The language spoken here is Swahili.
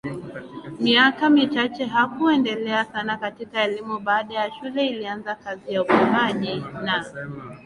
miaka michache hakuendelea sana katika elimu Baada ya shule alianza kazi ya upimaji na